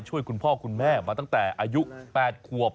ช่วยคุณพ่อคุณแม่มาตั้งแต่อายุ๘ครับ